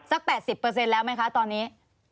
สัก๘๐เปอร์เซ็นต์แล้วไหมคะตอนนี้